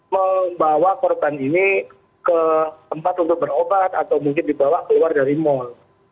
membawa korban ini ke tempat untuk berobat atau mungkin dibawa keluar dari mal